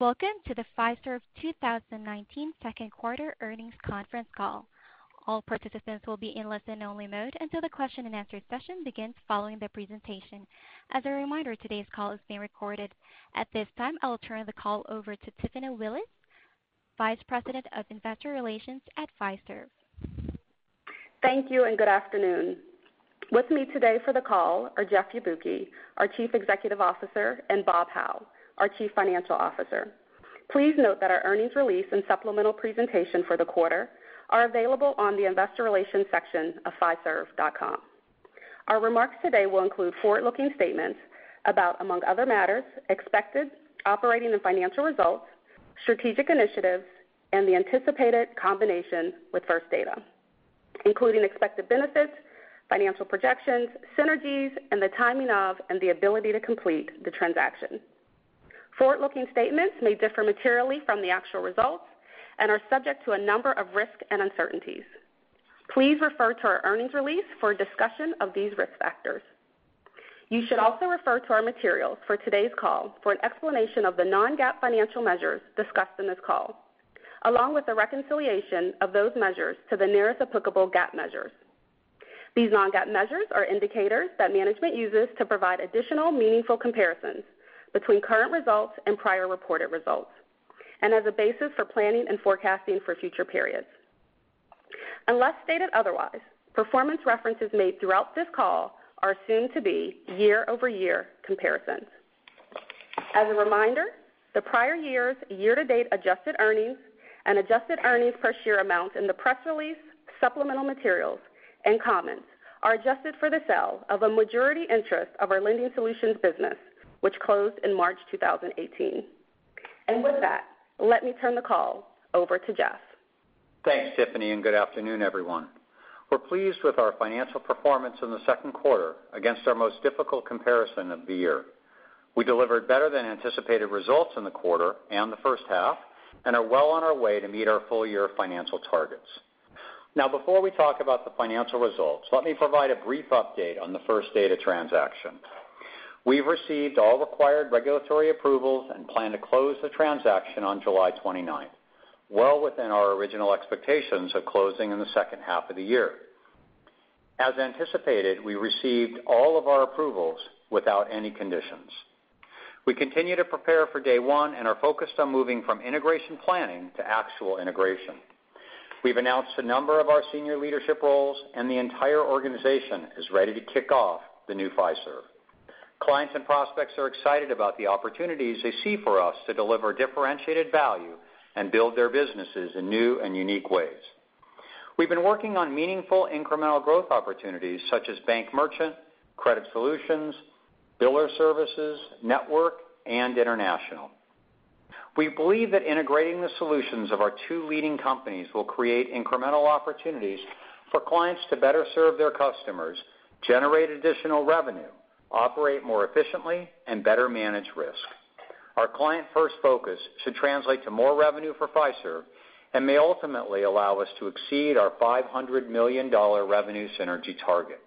Welcome to the Fiserv 2019 Q2 Earnings Conference Call. All participants will be in listen-only mode until the question and answer session begins following the presentation. As a reminder, today's call is being recorded. At this time, I will turn the call over to Tiffany Willis, Vice President of Investor Relations at Fiserv. Thank you and good afternoon. With me today for the call are Jeff Yabuki, our Chief Executive Officer, and Bob Hau, our Chief Financial Officer. Please note that our earnings release and supplemental presentation for the quarter are available on the investor relations section of fiserv.com. Our remarks today will include forward-looking statements about, among other matters, expected operating and financial results, strategic initiatives, and the anticipated combination with First Data, including expected benefits, financial projections, synergies, and the timing of and the ability to complete the transaction. Forward-looking statements may differ materially from the actual results and are subject to a number of risks and uncertainties. Please refer to our earnings release for a discussion of these risk factors. You should also refer to our materials for today's call for an explanation of the non-GAAP financial measures discussed in this call, along with the reconciliation of those measures to the nearest applicable GAAP measures. These non-GAAP measures are indicators that management uses to provide additional meaningful comparisons between current results and prior reported results, and as a basis for planning and forecasting for future periods. Unless stated otherwise, performance references made throughout this call are assumed to be year-over-year comparisons. As a reminder, the prior year's year-to-date adjusted earnings and adjusted earnings per share amounts in the press release, supplemental materials, and comments are adjusted for the sale of a majority interest of our lending solutions business, which closed in March 2018. With that, let me turn the call over to Jeff. Thanks, Tiffany, and good afternoon, everyone. We're pleased with our financial performance in the second quarter against our most difficult comparison of the year. We delivered better than anticipated results in the quarter and the first half, and are well on our way to meet our full-year financial targets. Before we talk about the financial results, let me provide a brief update on the First Data transaction. We've received all required regulatory approvals and plan to close the transaction on July 29th, well within our original expectations of closing in the H2 of the year. As anticipated, we received all of our approvals without any conditions. We continue to prepare for day one and are focused on moving from integration planning to actual integration. We've announced a number of our senior leadership roles, and the entire organization is ready to kick off the new Fiserv. Clients and prospects are excited about the opportunities they see for us to deliver differentiated value and build their businesses in new and unique ways. We've been working on meaningful incremental growth opportunities such as bank merchant, credit solutions, biller services, network, and international. We believe that integrating the solutions of our two leading companies will create incremental opportunities for clients to better serve their customers, generate additional revenue, operate more efficiently, and better manage risk. Our client-first focus should translate to more revenue for Fiserv and may ultimately allow us to exceed our $500 million revenue synergy target.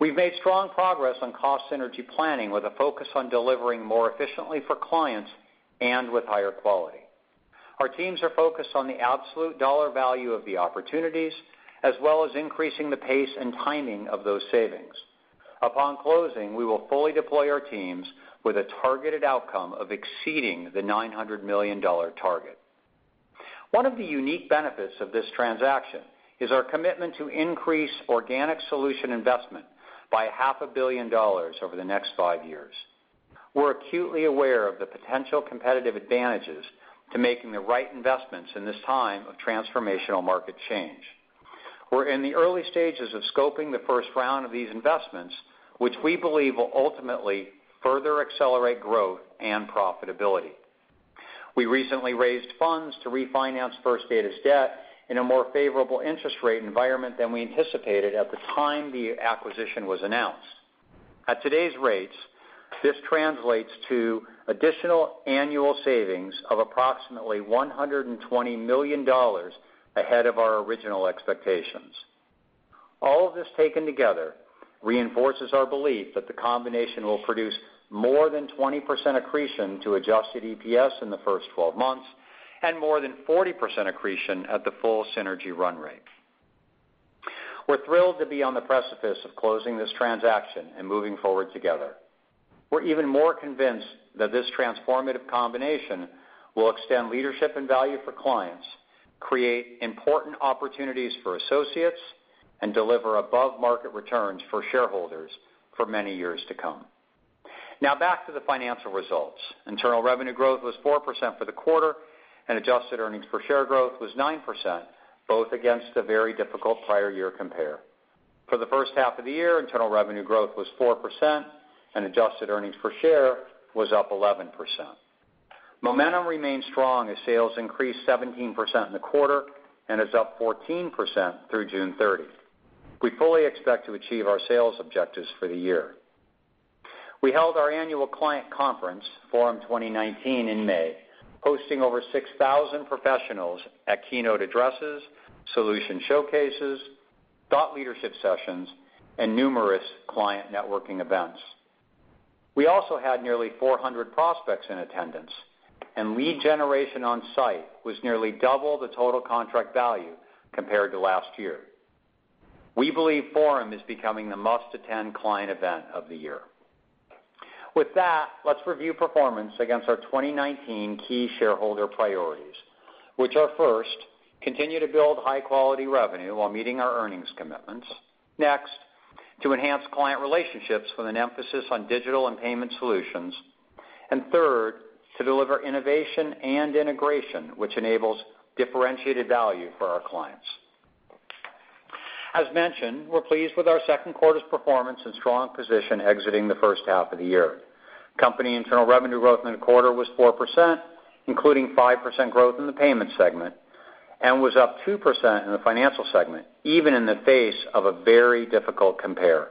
We've made strong progress on cost synergy planning with a focus on delivering more efficiently for clients and with higher quality. Our teams are focused on the absolute dollar value of the opportunities, as well as increasing the pace and timing of those savings. Upon closing, we will fully deploy our teams with a targeted outcome of exceeding the $900 million target. One of the unique benefits of this transaction is our commitment to increase organic solution investment by half a billion dollars over the next five years. We're acutely aware of the potential competitive advantages to making the right investments in this time of transformational market change. We're in the early stages of scoping the first round of these investments, which we believe will ultimately further accelerate growth and profitability. We recently raised funds to refinance First Data's debt in a more favorable interest rate environment than we anticipated at the time the acquisition was announced. At today's rates, this translates to additional annual savings of approximately $120 million ahead of our original expectations. All of this taken together reinforces our belief that the combination will produce more than 20% accretion to adjusted EPS in the first 12 months and more than 40% accretion at the full synergy run rate. We're thrilled to be on the precipice of closing this transaction and moving forward together. We're even more convinced that this transformative combination will extend leadership and value for clients, create important opportunities for associates, and deliver above-market returns for shareholders for many years to come. Now back to the financial results. Internal revenue growth was 4% for the quarter, and adjusted earnings per share growth was 9%, both against a very difficult prior year compare. For the first half of the year, internal revenue growth was 4%, and adjusted earnings per share was up 11%. Momentum remains strong as sales increased 17% in the quarter and is up 14% through June 30th. We fully expect to achieve our sales objectives for the year. We held our annual client conference, Forum 2019, in May, hosting over 6,000 professionals at keynote addresses, solution showcases, thought leadership sessions, and numerous client networking events. We also had nearly 400 prospects in attendance. Lead generation on-site was nearly double the total contract value compared to last year. We believe Forum is becoming the must-attend client event of the year. With that, let's review performance against our 2019 key shareholder priorities, which are, first, continue to build high-quality revenue while meeting our earnings commitments. Next, to enhance client relationships with an emphasis on digital and payment solutions. Third, to deliver innovation and integration, which enables differentiated value for our clients. As mentioned, we're pleased with our second quarter's performance and strong position exiting the H1 of the year. Company internal revenue growth in the quarter was 4%, including 5% growth in the payments segment and was up 2% in the financial segment, even in the face of a very difficult compare.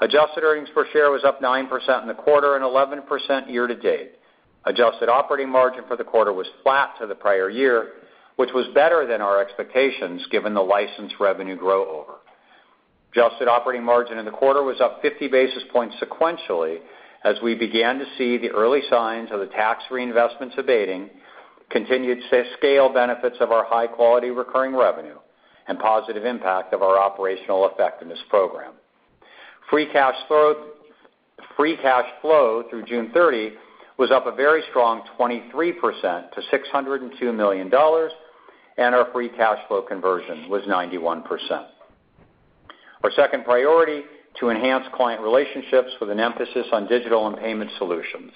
Adjusted earnings per share was up 9% in the quarter and 11% year-to-date. Adjusted operating margin for the quarter was flat to the prior year, which was better than our expectations given the license revenue grow over. Adjusted operating margin in the quarter was up 50 basis points sequentially as we began to see the early signs of the tax reinvestments abating, continued scale benefits of our high-quality recurring revenue, and positive impact of our operational effectiveness program. Free cash flow through June 30 was up a very strong 23% to $602 million, and our free cash flow conversion was 91%. Our second priority, to enhance client relationships with an emphasis on digital and payment solutions.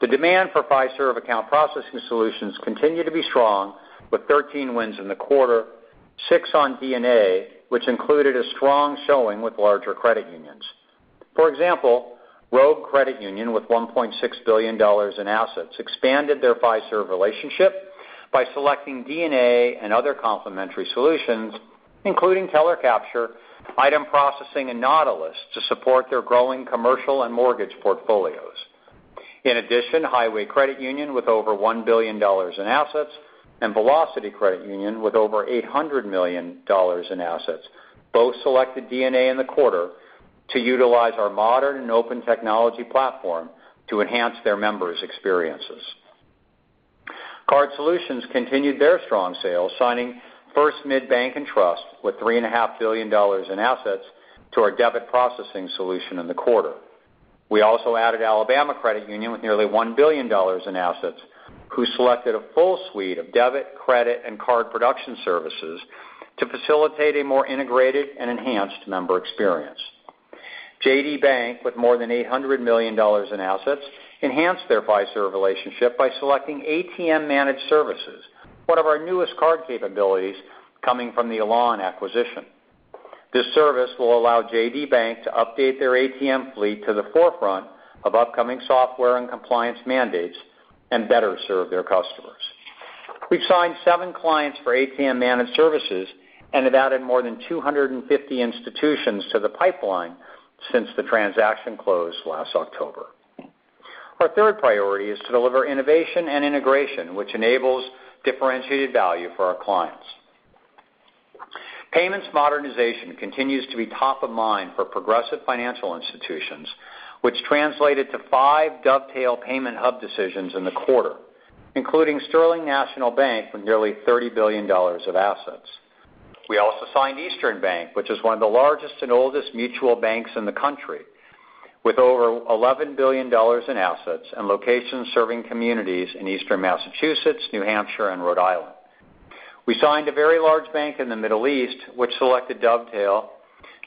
The demand for Fiserv account processing solutions continue to be strong with 13 wins in the quarter, six on DNA, which included a strong showing with larger credit unions. For example, Rogue Credit Union, with $1.6 billion in assets, expanded their Fiserv relationship by selecting DNA and other complementary solutions, including Teller Capture, Item Processing, and Nautilus to support their growing commercial and mortgage portfolios. In addition, Hiway Federal Credit Union, with over $1 billion in assets, and Velocity Credit Union, with over $800 million in assets, both selected DNA in the quarter to utilize our modern and open technology platform to enhance their members' experiences. Card solutions continued their strong sales, signing First Mid Bank & Trust with $3.5 billion in assets to our debit processing solution in the quarter. We also added Alabama Credit Union with nearly $1 billion in assets, who selected a full suite of debit, credit, and card production services to facilitate a more integrated and enhanced member experience. JD Bank, with more than $800 million in assets, enhanced their Fiserv relationship by selecting ATM Managed Services, one of our newest card capabilities coming from the Elan acquisition. This service will allow JD Bank to update their ATM fleet to the forefront of upcoming software and compliance mandates and better serve their customers. We've signed seven clients for ATM Managed Services and have added more than 250 institutions to the pipeline since the transaction closed last October. Our third priority is to deliver innovation and integration, which enables differentiated value for our clients. Payments modernization continues to be top of mind for progressive financial institutions, which translated to five Dovetail payment hub decisions in the quarter, including Sterling National Bank with nearly $30 billion of assets. We also signed Eastern Bank, which is one of the largest and oldest mutual banks in the country, with over $11 billion in assets and locations serving communities in Eastern Massachusetts, New Hampshire, and Rhode Island. We signed a very large bank in the Middle East, which selected Dovetail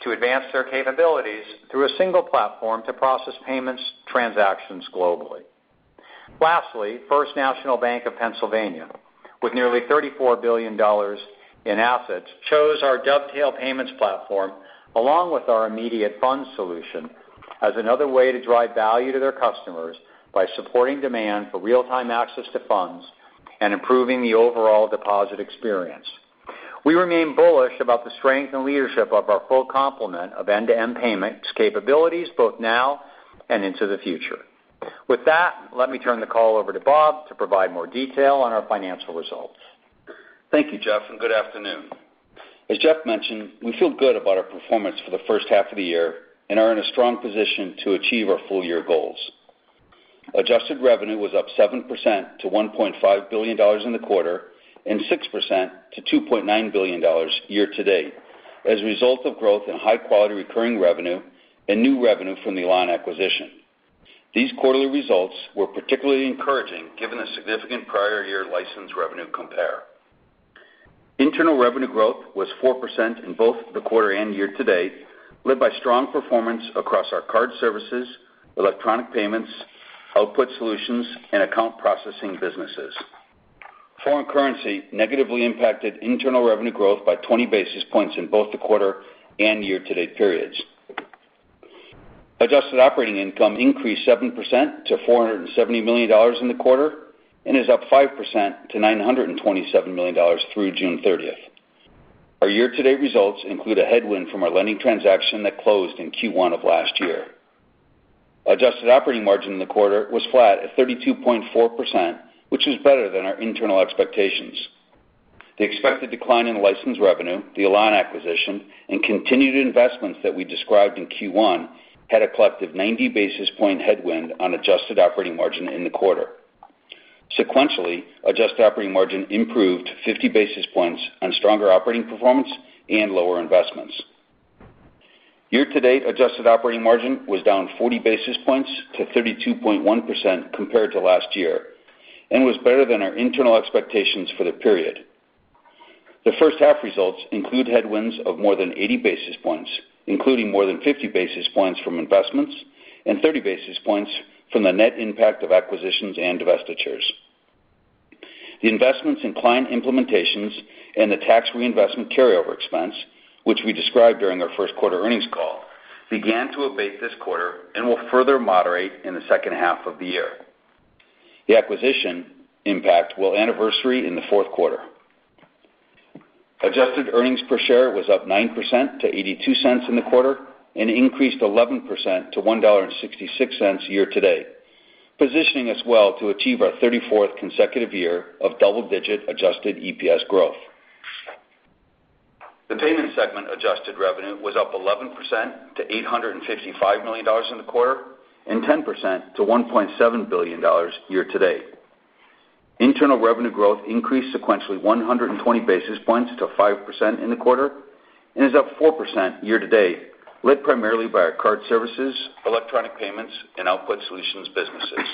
to advance their capabilities through a single platform to process payments transactions globally. Lastly, First National Bank of Pennsylvania, with nearly $34 billion in assets, chose our Dovetail payments platform along with our immediate funds solution as another way to drive value to their customers by supporting demand for real-time access to funds and improving the overall deposit experience. We remain bullish about the strength and leadership of our full complement of end-to-end payments capabilities, both now and into the future. With that, let me turn the call over to Bob to provide more detail on our financial results. Thank you, Jeff. Good afternoon. As Jeff mentioned, we feel good about our performance for the first half of the year and are in a strong position to achieve our full-year goals. Adjusted revenue was up 7% to $1.5 billion in the quarter and 6% to $2.9 billion year-to-date as a result of growth in high-quality recurring revenue and new revenue from the Elan acquisition. These quarterly results were particularly encouraging given the significant prior year license revenue compare. Internal revenue growth was 4% in both the quarter and year-to-date, led by strong performance across our card services, electronic payments, output solutions, and account processing businesses. Foreign currency negatively impacted internal revenue growth by 20 basis points in both the quarter and year-to-date periods. Adjusted operating income increased 7% to $470 million in the quarter and is up 5% to $927 million through June 30th. Our year-to-date results include a headwind from our lending transaction that closed in Q1 of last year. Adjusted operating margin in the quarter was flat at 32.4%, which is better than our internal expectations. The expected decline in license revenue, the Elan acquisition, and continued investments that we described in Q1 had a collective 90 basis point headwind on adjusted operating margin in the quarter. Sequentially, adjusted operating margin improved 50 basis points on stronger operating performance and lower investments. Year-to-date, adjusted operating margin was down 40 basis points to 32.1% compared to last year and was better than our internal expectations for the period. The first half results include headwinds of more than 80 basis points, including more than 50 basis points from investments and 30 basis points from the net impact of acquisitions and divestitures. The investments in client implementations and the tax reinvestment carryover expense, which we described during our Q1 earnings call, began to abate this quarter and will further moderate in the second half of the year. The acquisition impact will anniversary in the fourth quarter. Adjusted earnings per share was up 9% to $0.82 in the quarter and increased 11% to $1.66 year to date, positioning us well to achieve our 34th consecutive year of double-digit adjusted EPS growth. The payments segment adjusted revenue was up 11% to $855 million in the quarter and 10% to $1.7 billion year to date. Internal revenue growth increased sequentially 120 basis points to 5% in the quarter and is up 4% year to date, led primarily by our card services, electronic payments, and output solutions businesses.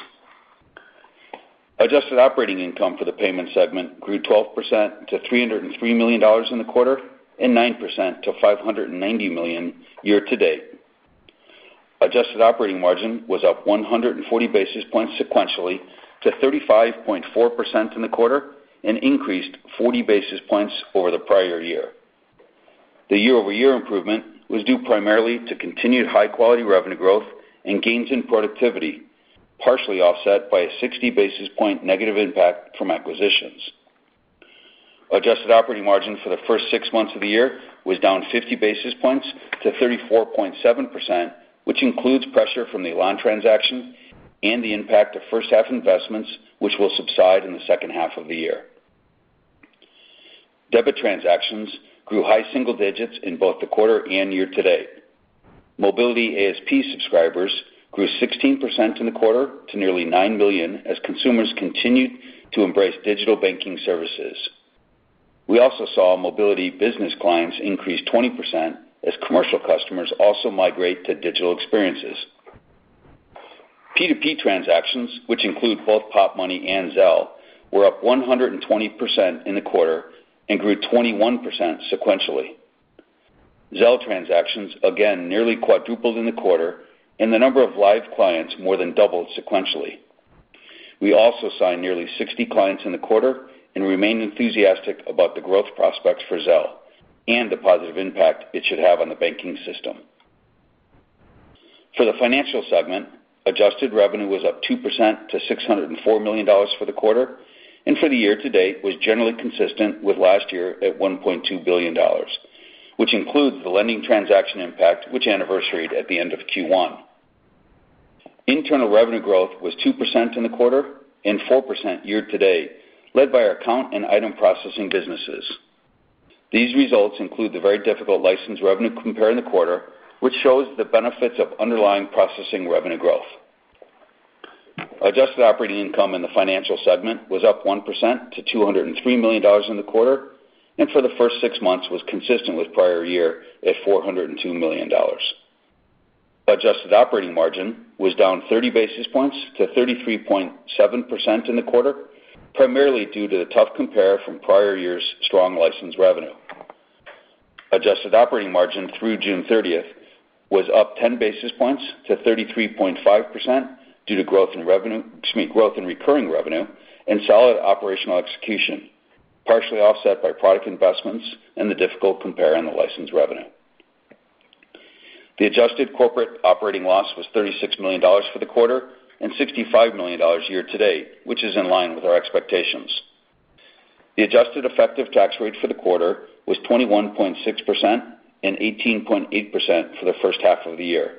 Adjusted operating income for the payment segment grew 12% to $303 million in the quarter and 9% to $590 million year to date. Adjusted operating margin was up 140 basis points sequentially to 35.4% in the quarter and increased 40 basis points over the prior year. The year-over-year improvement was due primarily to continued high-quality revenue growth and gains in productivity, partially offset by a 60 basis point negative impact from acquisitions. Adjusted operating margin for the first six months of the year was down 50 basis points to 34.7%, which includes pressure from the Elan transaction and the impact of first-half investments, which will subside in the H2 of the year. Debit transactions grew high single digits in both the quarter and year to date. Mobility ASP subscribers grew 16% in the quarter to nearly nine million as consumers continued to embrace digital banking services. We also saw mobility business clients increase 20% as commercial customers also migrate to digital experiences. P2P transactions, which include both Popmoney and Zelle, were up 120% in the quarter and grew 21% sequentially. Zelle transactions again nearly quadrupled in the quarter and the number of live clients more than doubled sequentially. We also signed nearly 60 clients in the quarter and remain enthusiastic about the growth prospects for Zelle and the positive impact it should have on the banking system. For the financial segment, adjusted revenue was up 2% to $604 million for the quarter and for the year to date was generally consistent with last year at $1.2 billion, which includes the lending transaction impact, which anniversaried at the end of Q1. Internal revenue growth was 2% in the quarter and 4% year to date, led by our account and item processing businesses. These results include the very difficult license revenue compare in the quarter, which shows the benefits of underlying processing revenue growth. Adjusted operating income in the financial segment was up 1% to $203 million in the quarter and for the first 6 months was consistent with prior year at $402 million. Adjusted operating margin was down 30 basis points to 33.7% in the quarter, primarily due to the tough compare from prior year's strong license revenue. Adjusted operating margin through June 30th was up 10 basis points to 33.5% due to growth in recurring revenue and solid operational execution, partially offset by product investments and the difficult compare on the license revenue. The adjusted corporate operating loss was $36 million for the quarter and $65 million year to date, which is in line with our expectations. The adjusted effective tax rate for the quarter was 21.6% and 18.8% for the H1 of the year.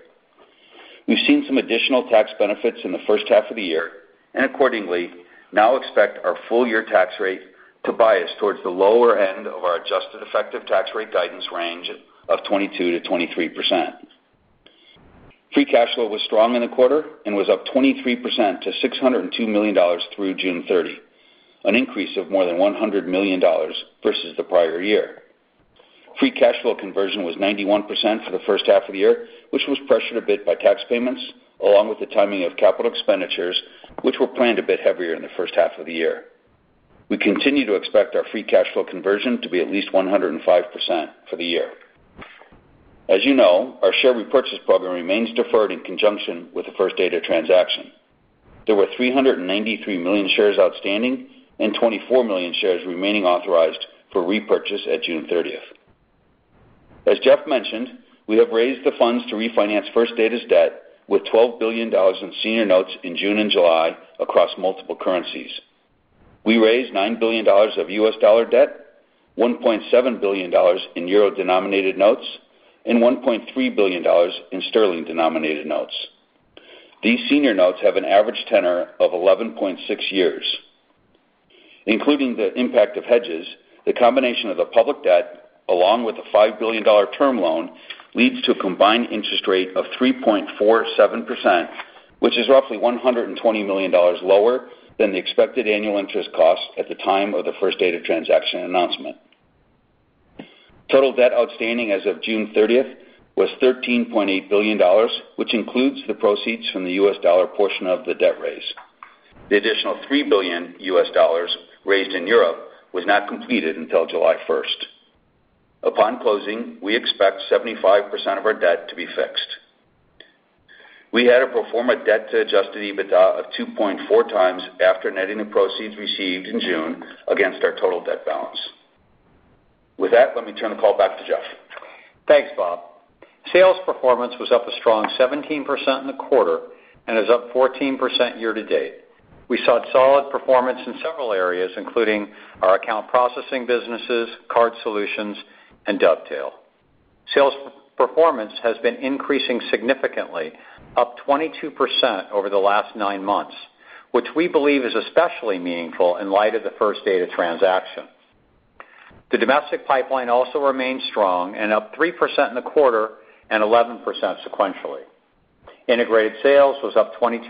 We've seen some additional tax benefits in the first half of the year and accordingly now expect our full-year tax rate to bias towards the lower end of our adjusted effective tax rate guidance range of 22%-23%. Free cash flow was strong in the quarter and was up 23% to $602 million through June 30, an increase of more than $100 million versus the prior year. Free cash flow conversion was 91% for the H1 of the year, which was pressured a bit by tax payments along with the timing of capital expenditures, which were planned a bit heavier in the H1 of the year. We continue to expect our free cash flow conversion to be at least 105% for the year. As you know, our share repurchase program remains deferred in conjunction with the First Data transaction. There were 393 million shares outstanding and 24 million shares remaining authorized for repurchase at June 30th. As Jeff mentioned, we have raised the funds to refinance First Data's debt with $12 billion in senior notes in June and July across multiple currencies. We raised $9 billion of U.S. dollar debt, EUR 1.7 billion in euro-denominated notes, and GBP 1.3 billion in sterling-denominated notes. These senior notes have an average tenor of 11.6 years. Including the impact of hedges, the combination of the public debt, along with the $5 billion term loan, leads to a combined interest rate of 3.47%, which is roughly $120 million lower than the expected annual interest cost at the time of the First Data transaction announcement. Total debt outstanding as of June 30th was $13.8 billion, which includes the proceeds from the U.S. dollar portion of the debt raise. The additional $3 billion U.S. raised in Europe was not completed until July 1st. Upon closing, we expect 75% of our debt to be fixed. We had a pro forma debt to adjusted EBITDA of 2.4 times after netting the proceeds received in June against our total debt balance. With that, let me turn the call back to Jeff. Thanks, Bob. Sales performance was up a strong 17% in the quarter and is up 14% year-to-date. We saw solid performance in several areas, including our account processing businesses, card solutions, and Dovetail. Sales performance has been increasing significantly, up 22% over the last nine months, which we believe is especially meaningful in light of the First Data transaction. The domestic pipeline also remains strong and up 3% in the quarter and 11% sequentially. Integrated sales was up 22%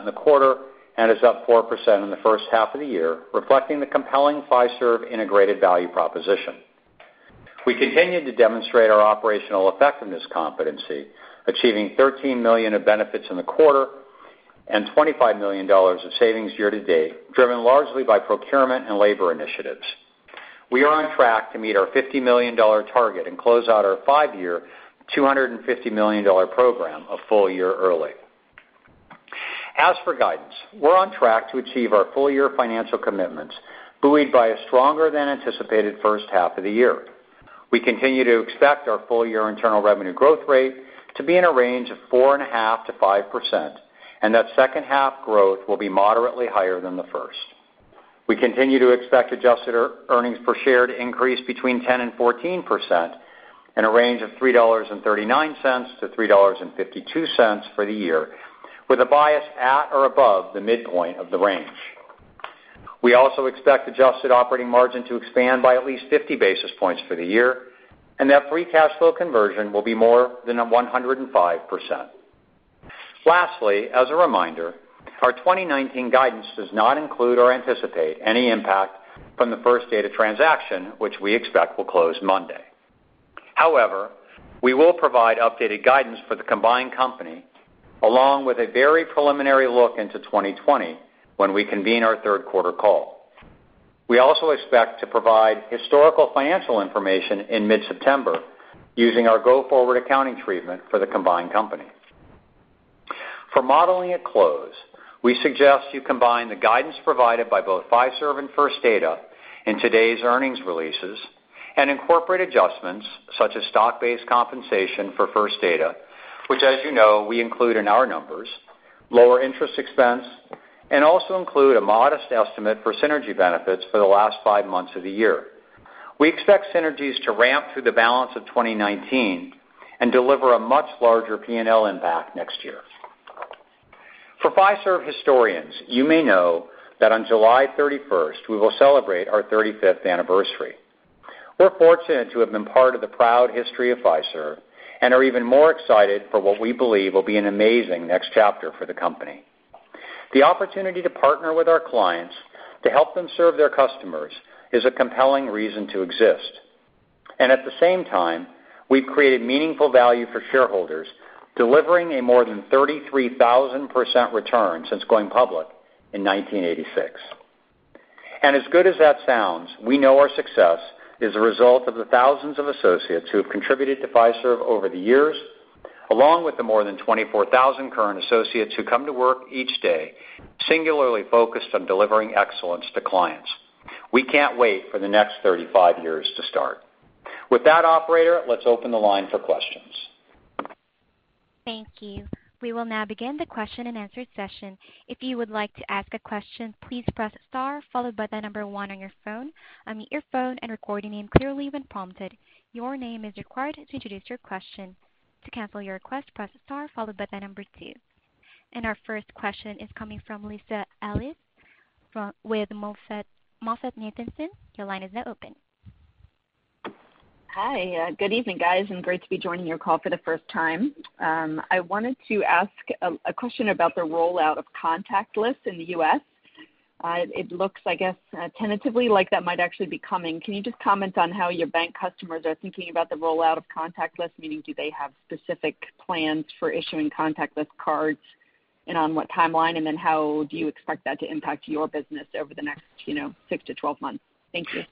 in the quarter and is up 4% in the first half of the year, reflecting the compelling Fiserv integrated value proposition. We continued to demonstrate our operational effectiveness competency, achieving $13 million of benefits in the quarter and $25 million of savings year-to-date, driven largely by procurement and labor initiatives. We are on track to meet our $50 million target and close out our five-year, $250 million program a full-year early. For guidance, we're on track to achieve our full-year financial commitments, buoyed by a stronger than anticipated H1 of the year. We continue to expect our full-year internal revenue growth rate to be in a range of 4.5%-5%, that second half growth will be moderately higher than the first. We continue to expect adjusted earnings per share to increase between 10% and 14%, in a range of $3.39-$3.52 for the year, with a bias at or above the midpoint of the range. We also expect adjusted operating margin to expand by at least 50 basis points for the year, that free cash flow conversion will be more than at 105%. Lastly, as a reminder, our 2019 guidance does not include or anticipate any impact from the First Data transaction, which we expect will close Monday. However, we will provide updated guidance for the combined company, along with a very preliminary look into 2020 when we convene our third quarter call. We also expect to provide historical financial information in mid-September using our go-forward accounting treatment for the combined company. For modeling at close, we suggest you combine the guidance provided by both Fiserv and First Data in today's earnings releases and incorporate adjustments such as stock-based compensation for First Data, which as you know, we include in our numbers, lower interest expense, and also include a modest estimate for synergy benefits for the last five months of the year. We expect synergies to ramp through the balance of 2019 and deliver a much larger P&L impact next year. For Fiserv historians, you may know that on July 31st, we will celebrate our 35th anniversary. We're fortunate to have been part of the proud history of Fiserv and are even more excited for what we believe will be an amazing next chapter for the company. The opportunity to partner with our clients to help them serve their customers is a compelling reason to exist. At the same time, we've created meaningful value for shareholders, delivering a more than 33,000% return since going public in 1986. As good as that sounds, we know our success is a result of the thousands of associates who have contributed to Fiserv over the years, along with the more than 24,000 current associates who come to work each day singularly focused on delivering excellence to clients. We can't wait for the next 35 years to start. With that, operator, let's open the line for questions. Thank you. We will now begin the question and answer session. If you would like to ask a question, please press star followed by the number one on your phone, unmute your phone and record your name clearly when prompted. Your name is required to introduce your question. To cancel your request, press star followed by the number two. Our first question is coming from Lisa Ellis with MoffettNathanson. Your line is now open. Hi. Good evening, guys, great to be joining your call for the first time. I wanted to ask a question about the rollout of contactless in the U.S. It looks, I guess, tentatively like that might actually be coming. Can you just comment on how your bank customers are thinking about the rollout of contactless, meaning do they have specific plans for issuing contactless cards, on what timeline, how do you expect that to impact your business over the next 6-12 months? Thank you.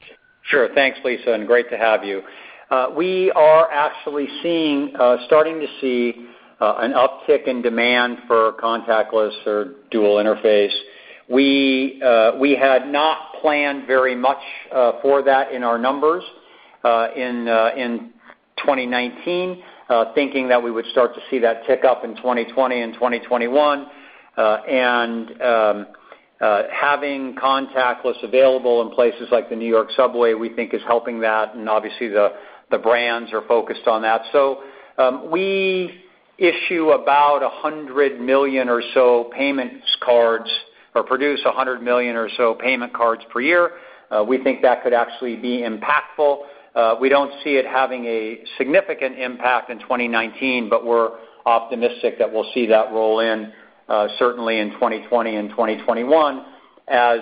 Sure. Thanks, Lisa, great to have you. We are actually starting to see an uptick in demand for contactless or dual-interface. We had not planned very much for that in our numbers in 2019, thinking that we would start to see that tick up in 2020 and 2021. Having contactless available in places like the New York Subway, we think is helping that. Obviously the brands are focused on that. We issue about 100 million or so payments cards, or produce 100 million or so payment cards per year. We think that could actually be impactful. We don't see it having a significant impact in 2019, but we're optimistic that we'll see that roll in certainly in 2020 and 2021 as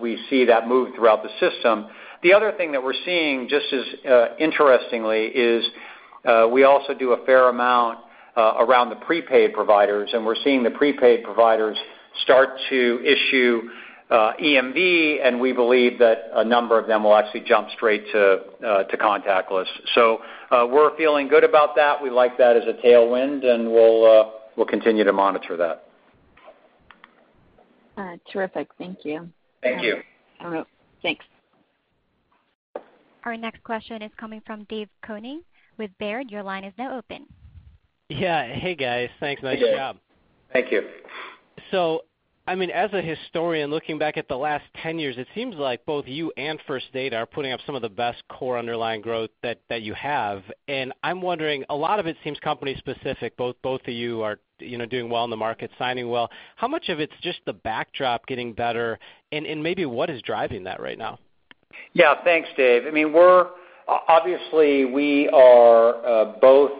we see that move throughout the system. The other thing that we're seeing just as interestingly is we also do a fair amount around the prepaid providers, and we're seeing the prepaid providers start to issue EMV, and we believe that a number of them will actually jump straight to contactless. We're feeling good about that. We like that as a tailwind, and we'll continue to monitor that. Terrific. Thank you. Thank you. All right. Thanks. Our next question is coming from Dave Koning with Baird. Your line is now open. Yeah. Hey, guys. Thanks. Nice job. Thank you. As a historian, looking back at the last 10 years, it seems like both you and First Data are putting up some of the best core underlying growth that you have. And I'm wondering, a lot of it seems company specific. Both of you are doing well in the market, signing well. How much of it's just the backdrop getting better, and maybe what is driving that right now? Yeah. Thanks, Dave. Obviously, we are both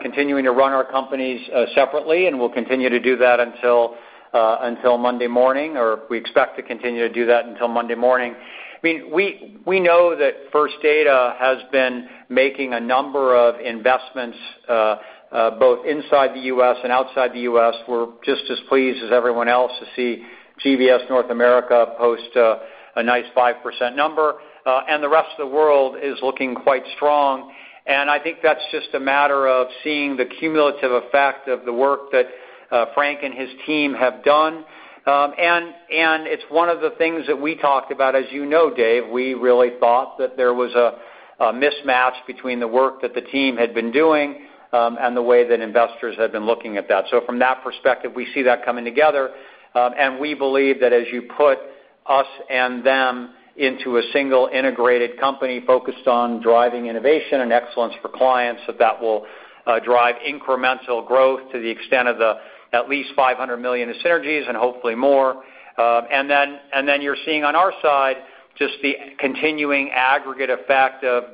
continuing to run our companies separately, and we'll continue to do that until Monday morning, or we expect to continue to do that until Monday morning. We know that First Data has been making a number of investments both inside the U.S. and outside the U.S. We're just as pleased as everyone else to see GBS North America post a nice 5% number. The rest of the world is looking quite strong, and I think that's just a matter of seeing the cumulative effect of the work that Frank and his team have done. It's one of the things that we talked about. As you know, Dave, we really thought that there was a mismatch between the work that the team had been doing and the way that investors had been looking at that. From that perspective, we see that coming together, and we believe that as you put us and them into a single integrated company focused on driving innovation and excellence for clients, that that will drive incremental growth to the extent of at least $500 million in synergies and hopefully more. You're seeing on our side just the continuing aggregate effect of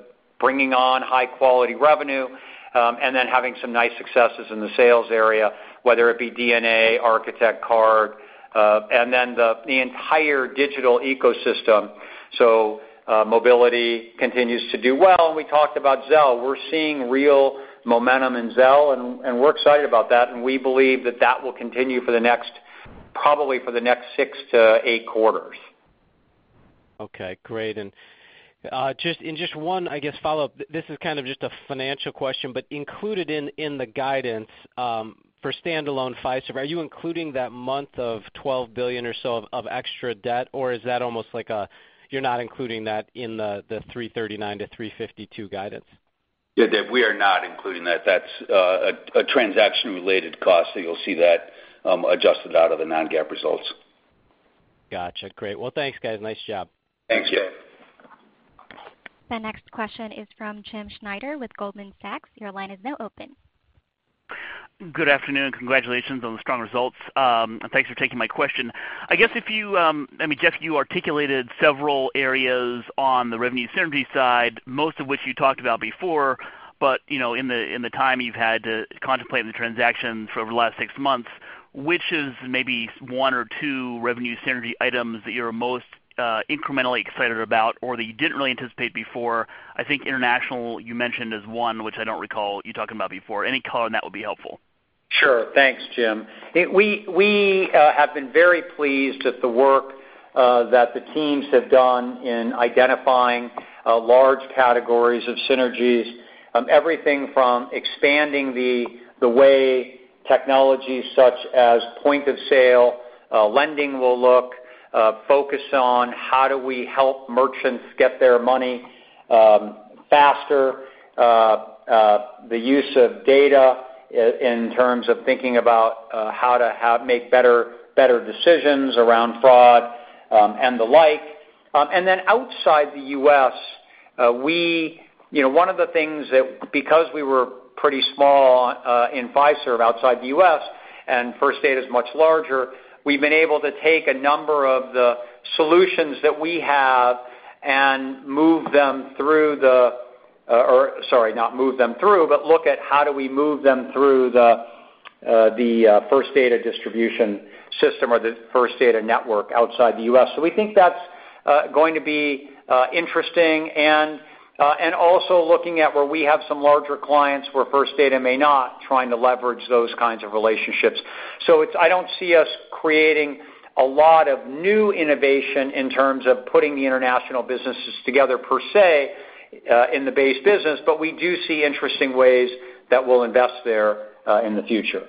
bringing on high-quality revenue and then having some nice successes in the sales area, whether it be DNA, Architect Card and then the entire digital ecosystem. Mobility continues to do well, and we talked about Zelle. We're seeing real momentum in Zelle, and we're excited about that, and we believe that that will continue probably for the next six to eight quarters. Okay, great. Just one follow-up. This is kind of just a financial question, but included in the guidance for standalone Fiserv, are you including that month of $12 billion or so of extra debt, or is that almost like you're not including that in the $339-$352 guidance? Yeah, Dave, we are not including that. That's a transaction-related cost, so you'll see that adjusted out of the non-GAAP results. Got you. Great. Well, thanks, guys. Nice job. Thanks, Dave. The next question is from Jim Schneider with Goldman Sachs. Your line is now open. Good afternoon. Congratulations on the strong results. Thanks for taking my question. Jeff, you articulated several areas on the revenue synergy side, most of which you talked about before, but in the time you've had to contemplate the transactions over the last six months, which is maybe one or two revenue synergy items that you're most incrementally excited about or that you didn't really anticipate before? I think international you mentioned is one which I don't recall you talking about before. Any color on that would be helpful. Sure. Thanks, Jim. We have been very pleased at the work that the teams have done in identifying large categories of synergies. Everything from expanding the way technology such as point of sale lending will look, focus on how do we help merchants get their money faster, the use of data in terms of thinking about how to make better decisions around fraud and the like. Outside the U.S., one of the things that because we were pretty small in Fiserv outside the U.S., and First Data's much larger, we've been able to take a number of the solutions that we have and or sorry, not move them through, but look at how do we move them through the First Data distribution system or the First Data network outside the U.S. We think that's going to be interesting and also looking at where we have some larger clients where First Data may not trying to leverage those kinds of relationships. I don't see us creating a lot of new innovation in terms of putting the international businesses together per se in the base business, but we do see interesting ways that we'll invest there in the future.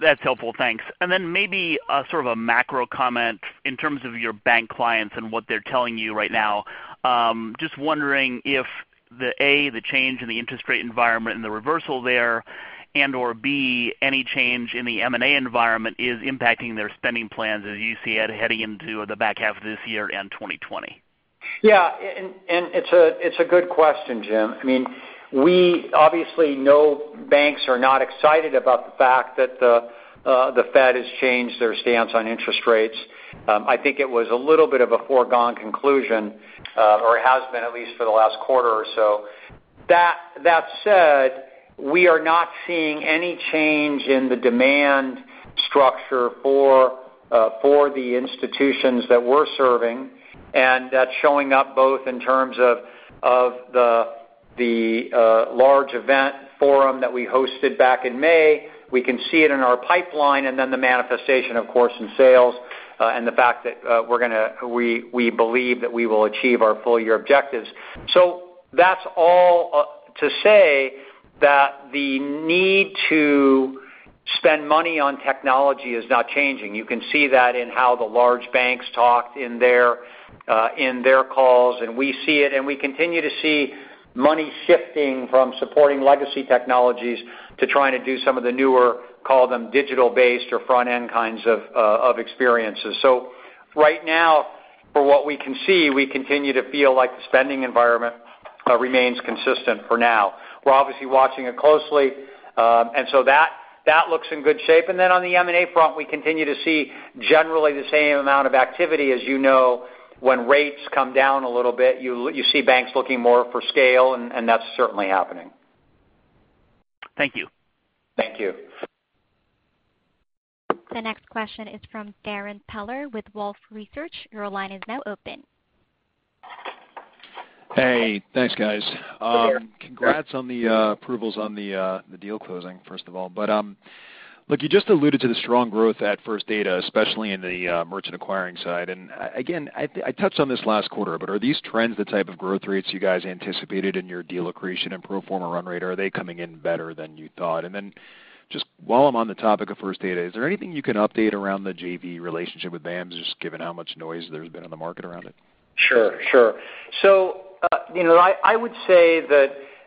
That's helpful. Thanks. Maybe sort of a macro comment in terms of your bank clients and what they're telling you right now. Just wondering if the A, the change in the interest rate environment and the reversal there, and/or B, any change in the M&A environment is impacting their spending plans as you see it heading into the back half of this year and 2020. Yeah. It's a good question, Jim. We obviously know banks are not excited about the fact that the Fed has changed their stance on interest rates. I think it was a little bit of a foregone conclusion or has been at least for the last quarter or so. That said, we are not seeing any change in the demand structure for the institutions that we're serving, and that's showing up both in terms of the large event Forum 2019 that we hosted back in May. We can see it in our pipeline and then the manifestation, of course, in sales, and the fact that we believe that we will achieve our full-year objectives. That's all to say that the need to spend money on technology is not changing. You can see that in how the large banks talked in their calls. We see it, and we continue to see money shifting from supporting legacy technologies to trying to do some of the newer, call them digital-based or front-end kinds of experiences. Right now, for what we can see, we continue to feel like the spending environment remains consistent for now. We're obviously watching it closely. That looks in good shape. On the M&A front, we continue to see generally the same amount of activity. As you know, when rates come down a little bit, you see banks looking more for scale, and that's certainly happening. Thank you. Thank you. The next question is from Darrin Peller with Wolfe Research. Your line is now open. Hey, thanks guys. Sure. Congrats on the approvals on the deal closing, first of all. You just alluded to the strong growth at First Data, especially in the merchant acquiring side. I touched on this last quarter, are these trends the type of growth rates you guys anticipated in your deal accretion and pro forma run rate? Are they coming in better than you thought? While I'm on the topic of First Data, is there anything you can update around the JV relationship with BAMS, just given how much noise there's been on the market around it? Sure. I would say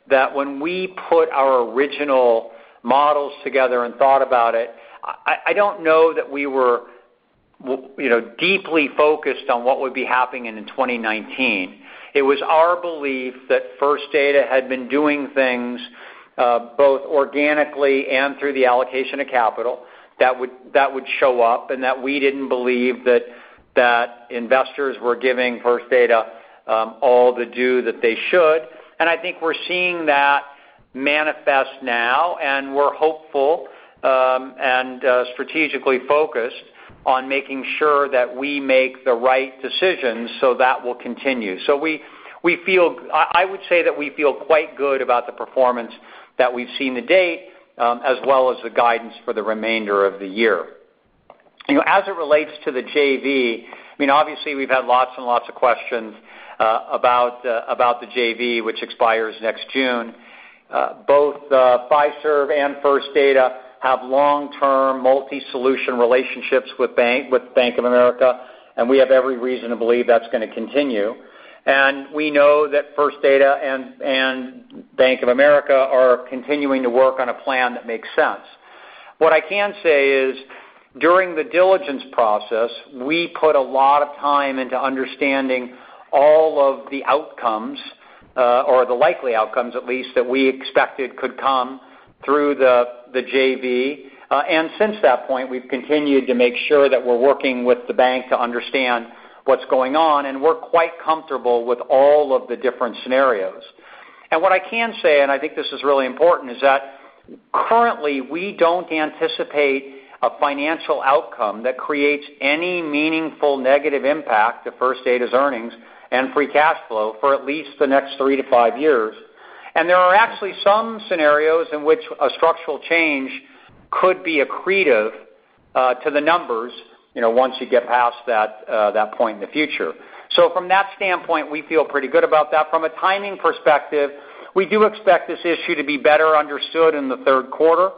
that when we put our original models together and thought about it, I don't know that we were deeply focused on what would be happening in 2019. It was our belief that First Data had been doing things both organically and through the allocation of capital that would show up, and that we didn't believe that investors were giving First Data all the due that they should. I think we're seeing that manifest now, and we're hopeful and strategically focused on making sure that we make the right decisions so that will continue. I would say that we feel quite good about the performance that we've seen to date, as well as the guidance for the remainder of the year. As it relates to the JV, obviously we've had lots and lots of questions about the JV, which expires next June. Both Fiserv and First Data have long-term multi-solution relationships with Bank of America. We have every reason to believe that's going to continue. We know that First Data and Bank of America are continuing to work on a plan that makes sense. What I can say is during the diligence process, we put a lot of time into understanding all of the outcomes or the likely outcomes at least that we expected could come through the JV. Since that point, we've continued to make sure that we're working with the bank to understand what's going on, and we're quite comfortable with all of the different scenarios. What I can say, and I think this is really important, is that currently we don't anticipate a financial outcome that creates any meaningful negative impact to First Data's earnings and free cash flow for at least the next three to five years. There are actually some scenarios in which a structural change could be accretive to the numbers once you get past that point in the future. From that standpoint, we feel pretty good about that. From a timing perspective, we do expect this issue to be better understood in the third quarter.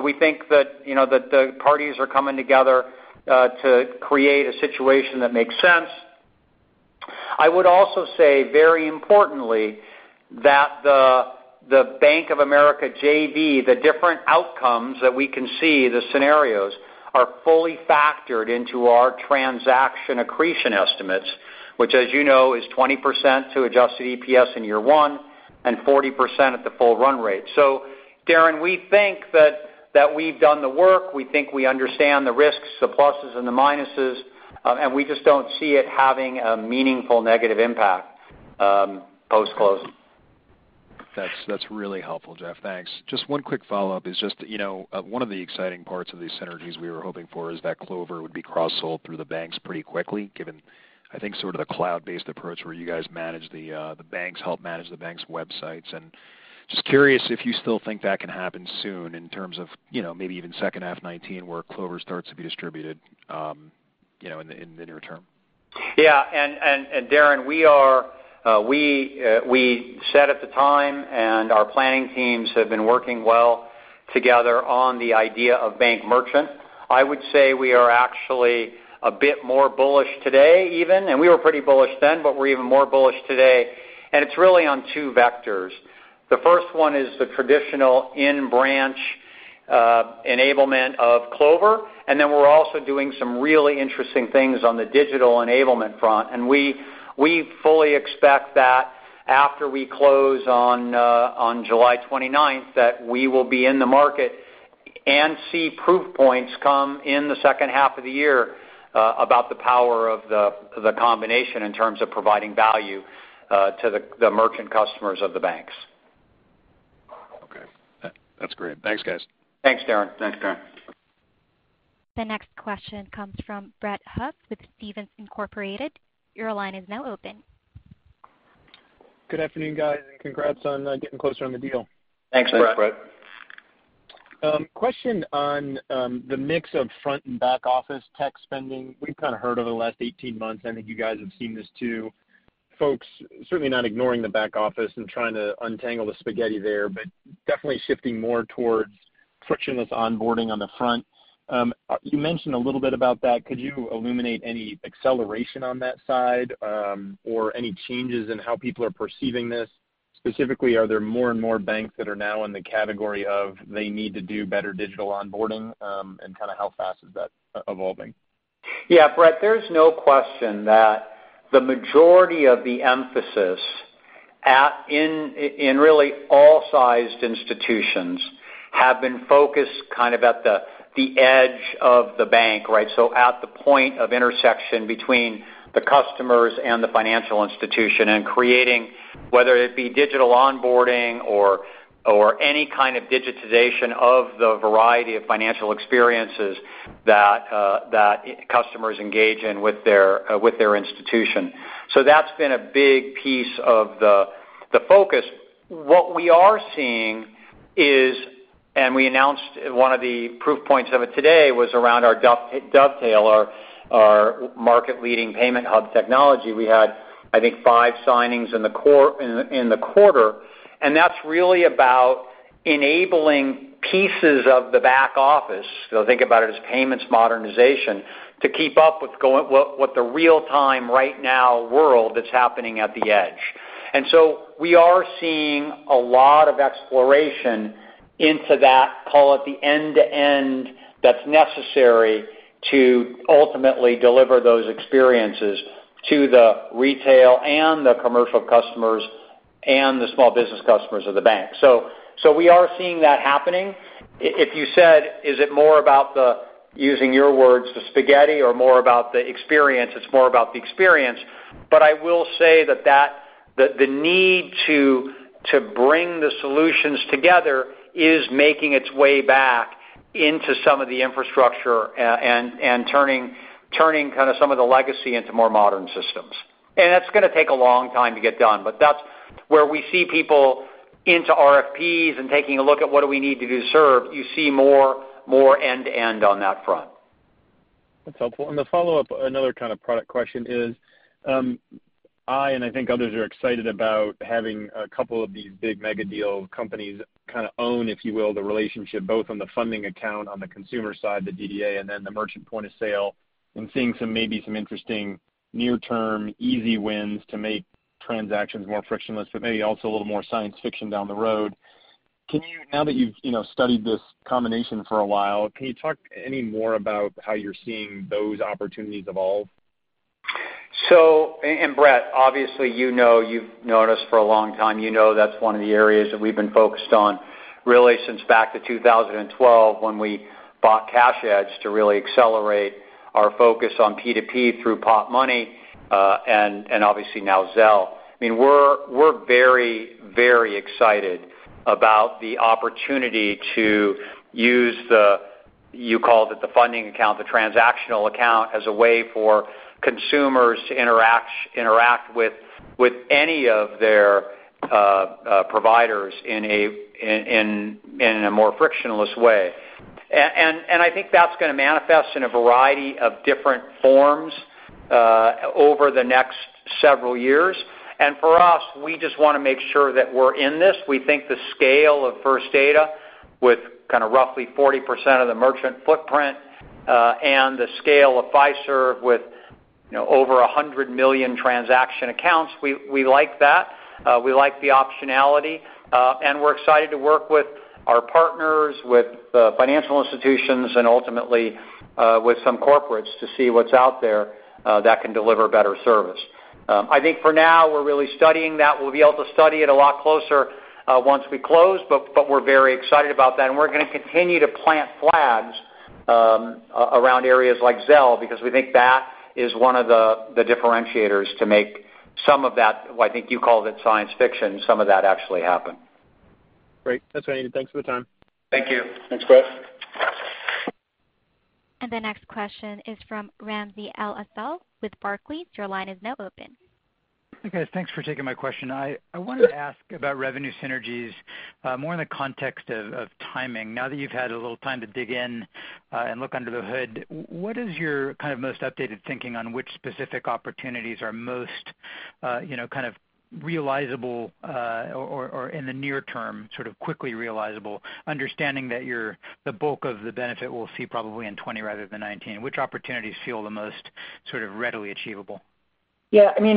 We think that the parties are coming together to create a situation that makes sense. I would also say very importantly, that the Bank of America JV, the different outcomes that we can see, the scenarios are fully factored into our transaction accretion estimates, which as you know is 20% to adjusted EPS in year one and 40% at the full run rate. Darrin, we think that we've done the work. We think we understand the risks, the pluses and the minuses, and we just don't see it having a meaningful negative impact post-close. That's really helpful, Jeff. Thanks. Just one quick follow-up is just one of the exciting parts of these synergies we were hoping for is that Clover would be cross-sold through the banks pretty quickly, given I think sort of the cloud-based approach where you guys help manage the banks' websites. Just curious if you still think that can happen soon in terms of maybe even second half 2019 where Clover starts to be distributed, in the near term. Yeah. Darrin, we said at the time, and our planning teams have been working well together on the idea of bank merchant. I would say we are actually a bit more bullish today even, and we were pretty bullish then, but we're even more bullish today. It's really on two vectors. The first one is the traditional in-branch enablement of Clover, and then we're also doing some really interesting things on the digital enablement front. We fully expect that after we close on July 29th, that we will be in the market and see proof points come in the H2 of the year about the power of the combination in terms of providing value to the merchant customers of the banks. Okay. That's great. Thanks, guys. Thanks, Darrin. Thanks, Darrin. The next question comes from Brett Huff with Stephens Incorporated. Your line is now open. Good afternoon, guys. Congrats on getting closer on the deal. Thanks, Brett. Question on the mix of front and back-office tech spending. We've kind of heard over the last 18 months, I think you guys have seen this too. Folks certainly not ignoring the back office and trying to untangle the spaghetti there, but definitely shifting more towards frictionless onboarding on the front. You mentioned a little about that. Could you illuminate any acceleration on that side, or any changes in how people are perceiving this? Specifically, are there more and more banks that are now in the category of they need to do better digital onboarding, and how fast is that evolving? Yeah, Brett. There's no question that the majority of the emphasis in really all sized institutions have been focused at the edge of the bank, right? At the point of intersection between the customers and the financial institution, and creating, whether it be digital onboarding or any kind of digitization of the variety of financial experiences that customers engage in with their institution. That's been a big piece of the focus. What we are seeing is, and we announced one of the proof points of it today was around our Dovetail, our market-leading payment hub technology. We had, I think, five signings in the quarter. That's really about enabling pieces of the back office. Think about it as payments modernization to keep up with the real-time, right now world that's happening at the edge. We are seeing a lot of exploration into that, call it the end-to-end that's necessary to ultimately deliver those experiences to the retail and the commercial customers and the small business customers of the bank. We are seeing that happening. If you said, is it more about the, using your words, the spaghetti or more about the experience? It's more about the experience. I will say that the need to bring the solutions together is making its way back into some of the infrastructure, and turning some of the legacy into more modern systems. That's going to take a long time to get done, but that's where we see people into RFPs and taking a look at what do we need to do to serve, you see more end-to-end on that front. That's helpful. The follow-up, another kind of product question is, I and I think others are excited about having a couple of these big mega-deal companies own, if you will, the relationship, both on the funding account on the consumer side, the DDA, and then the merchant point-of-sale, and seeing some maybe some interesting near-term easy wins to make transactions more frictionless, but maybe also a little more science fiction down the road. Now that you've studied this combination for a while, can you talk any more about how you're seeing those opportunities evolve? Brett, obviously, you've known us for a long time. You know that's one of the areas that we've been focused on, really since back to 2012 when we bought CashEdge to really accelerate our focus on P2P through Popmoney, and obviously now Zelle. We're very excited about the opportunity to use the, you called it the funding account, the transactional account, as a way for consumers to interact with any of their providers in a more frictionless way. I think that's going to manifest in a variety of different forms over the next several years. For us, we just want to make sure that we're in this. We think the scale of First Data with roughly 40% of the merchant footprint, and the scale of Fiserv with over 100 million transaction accounts, we like that. We like the optionality. We're excited to work with our partners, with financial institutions, and ultimately with some corporates to see what's out there that can deliver better service. I think for now, we're really studying that. We'll be able to study it a lot closer once we close, but we're very excited about that. We're going to continue to plant flags around areas like Zelle, because we think that is one of the differentiators to make some of that, I think you called it science fiction, some of that actually happen. Great. That's what I needed. Thanks for the time. Thank you. Thanks, Brett. The next question is from Ramsey El-Assal with Barclays. Your line is now open. Hey guys, thanks for taking my question. I wanted to ask about revenue synergies more in the context of timing. Now that you've had a little time to dig in and look under the hood, what is your most updated thinking on which specific opportunities are most realizable or in the near term, sort of quickly realizable, understanding that the bulk of the benefit we'll see probably in 2020 rather than 2019. Which opportunities feel the most readily achievable? When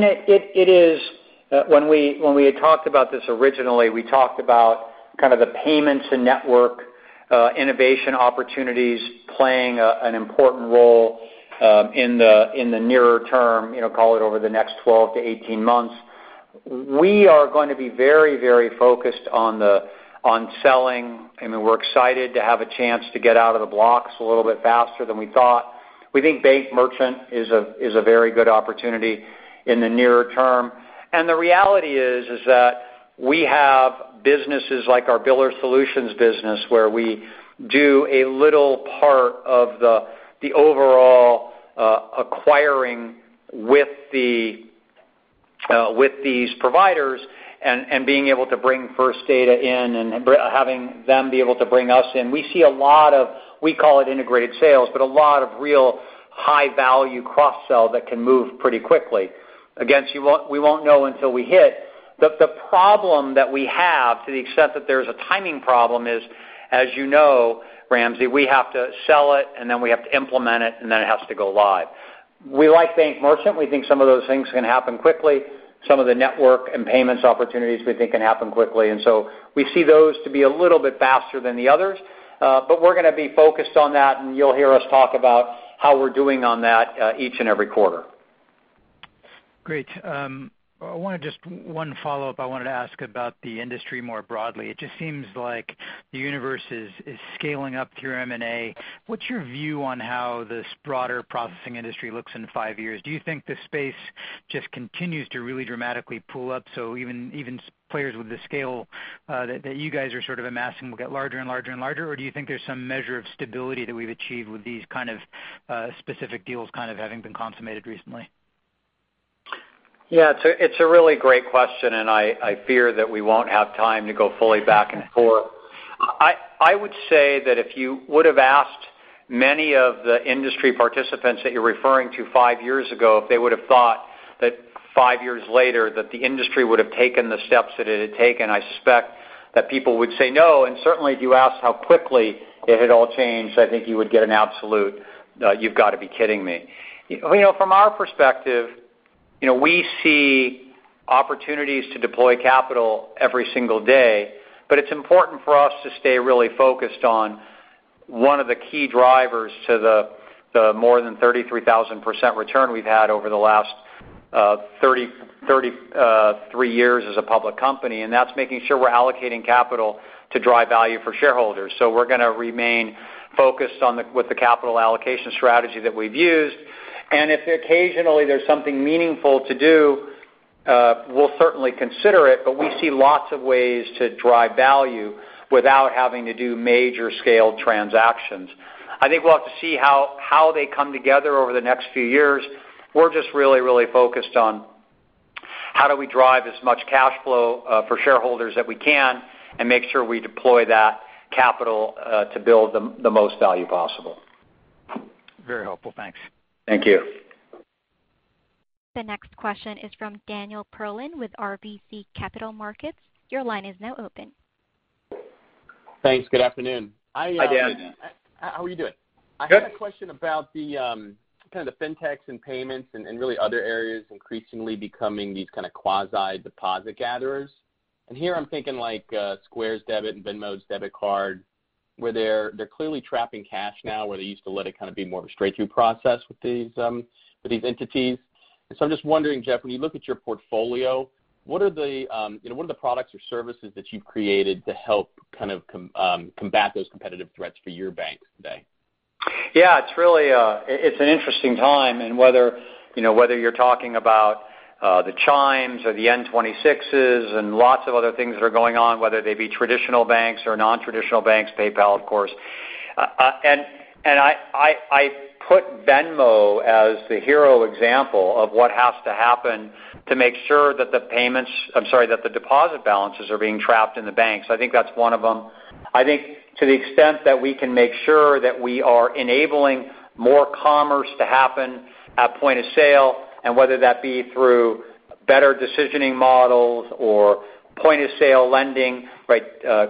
we had talked about this originally, we talked about the payments and network innovation opportunities playing an important role in the nearer term, call it over the next 12-18 months. We are going to be very focused on selling, and we're excited to have a chance to get out of the blocks a little bit faster than we thought. We think bank merchant is a very good opportunity in the nearer term. The reality is that we have businesses like our biller solutions business, where we do a little part of the overall acquiring with these providers and being able to bring First Data in and having them be able to bring us in. We see a lot of, we call it integrated sales, but a lot of real high-value cross-sell that can move pretty quickly. Again, we won't know until we hit. The problem that we have to the extent that there's a timing problem is, as you know, Ramsey, we have to sell it, and then we have to implement it, and then it has to go live. We like bank merchant. We think some of those things can happen quickly. Some of the network and payments opportunities we think can happen quickly. We see those to be a little bit faster than the others. We're going to be focused on that, and you'll hear us talk about how we're doing on that each and every quarter. Great. Just one follow-up. I wanted to ask about the industry more broadly. It just seems like the universe is scaling up through M&A. What's your view on how this broader processing industry looks in five years? Do you think the space just continues to really dramatically pull up, so even players with the scale that you guys are amassing will get larger and larger? Or do you think there's some measure of stability that we've achieved with these kind of specific deals having been consummated recently? Yeah, it's a really great question, and I fear that we won't have time to go fully back and forth. I would say that if you would've asked many of the industry participants that you're referring to five years ago, if they would've thought that five years later that the industry would've taken the steps that it had taken, I suspect that people would say no. Certainly, if you ask how quickly it had all changed, I think you would get an absolute, "You've got to be kidding me." From our perspective, we see opportunities to deploy capital every single day, but it's important for us to stay really focused on one of the key drivers to the more than 33,000% return we've had over the last 33 years as a public company, and that's making sure we're allocating capital to drive value for shareholders. We're going to remain focused with the capital allocation strategy that we've used, and if occasionally there's something meaningful to do, we'll certainly consider it, but we see lots of ways to drive value without having to do major scale transactions. I think we'll have to see how they come together over the next few years. We're just really focused on how do we drive as much cash flow for shareholders that we can and make sure we deploy that capital to build the most value possible. Very helpful. Thanks. Thank you. The next question is from Daniel Perlin with RBC Capital Markets. Your line is now open. Thanks. Good afternoon. Hi, Daniel. How are you doing? Good. I had a question about the fintechs and payments and really other areas increasingly becoming these kind of quasi-deposit gatherers. Here I'm thinking like Square's debit and Venmo's debit card, where they're clearly trapping cash now where they used to let it kind of be more of a straight-through process with these entities. I'm just wondering, Jeff, when you look at your portfolio, what are the products or services that you've created to help combat those competitive threats for your bank today? It's an interesting time whether you're talking about the Chime or the N26s and lots of other things that are going on, whether they be traditional banks or non-traditional banks, PayPal, of course. I put Venmo as the hero example of what has to happen to make sure that the deposit balances are being trapped in the banks. I think that's one of them. I think to the extent that we can make sure that we are enabling more commerce to happen at point-of-sale, whether that be through better decisioning models or point-of-sale lending,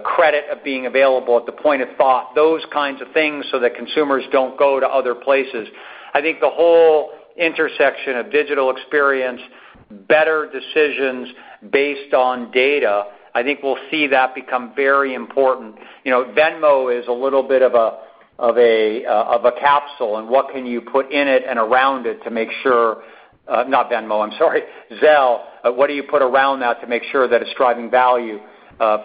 credit being available at the point of thought, those kinds of things so that consumers don't go to other places. I think the whole intersection of digital experience, better decisions based on data, I think we'll see that become very important. Venmo is a little bit of a capsule. What can you put in it and around it to make sure, not Venmo, I'm sorry, Zelle? What do you put around that to make sure that it's driving value